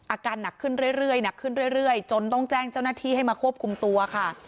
อาการหนักขึ้นเรื่อยจนต้องแจ้งเจ้าหน้าที่ให้มาควบคุมตัวค่ะ